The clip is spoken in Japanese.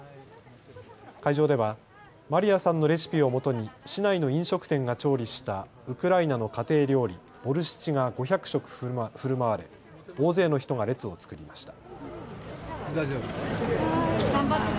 会場ではマリアさんのレシピをもとに市内の飲食店が調理したウクライナの家庭料理、ボルシチが５００食ふるまわれ大勢の人が列を作りました。